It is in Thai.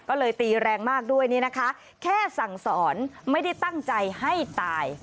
ก็เลยตีแรงมากด้วยนี่นะคะแค่สั่งสอนไม่ได้ตั้งใจให้ตาย